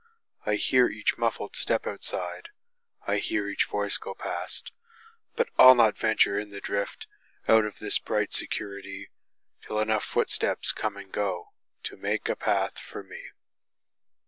I hear each muffled step outside,I hear each voice go past. But I'll not venture in the driftOut of this bright security, Till enough footsteps come and goTo make a path for me.